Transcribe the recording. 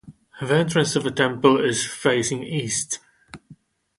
The entrance of the temple is facing east.